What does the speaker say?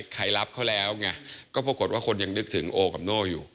ใครรับเขาแล้วไงก็ปรากฏว่าคนยังนึกถึงโอกับโน่อยู่